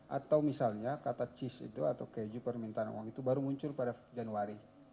atau misalnya kata cheese itu atau keju permintaan uang itu baru muncul pada januari